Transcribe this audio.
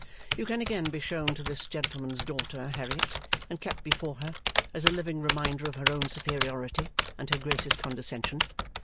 You can again be shown to this gentleman's daughter, Harriet, and kept before her, as a living reminder of her own superiority and her gracious condescension.